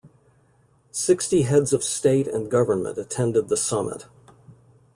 Sixty Heads of State and Government attended the summit.